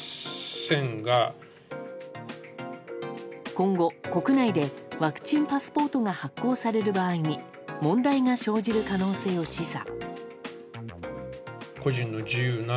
今後、国内でワクチンパスポートが発行される場合に問題が生じる可能性を示唆。